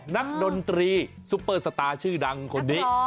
ดนตรีซุปเปอร์สตาร์ชื่อดังคนนี้